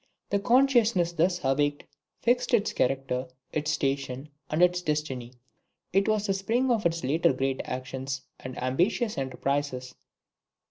The consciousness thus awakened fixed its character, its station, and its destiny; it was the spring of its later great actions and ambitious enterprises."